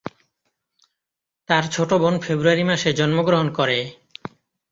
তার ছোট বোন ফেব্রুয়ারি মাসে জন্মগ্রহণ করে।